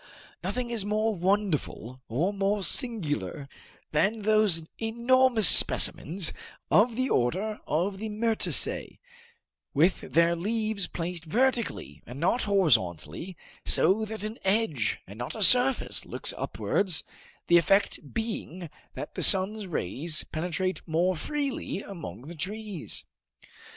Nothing is more wonderful or more singular than those enormous specimens of the order of the myrtaceae, with their leaves placed vertically and not horizontally, so that an edge and not a surface looks upwards, the effect being that the sun's rays penetrate more freely among the trees.